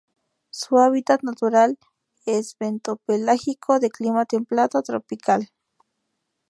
Su hábitat natural es bentopelágico de clima templado a tropical.